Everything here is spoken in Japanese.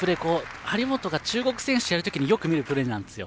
張本が中国選手とやる時によく見るプレーなんですよ。